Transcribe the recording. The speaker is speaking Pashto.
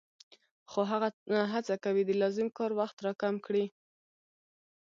خو هغه هڅه کوي د لازم کار وخت را کم کړي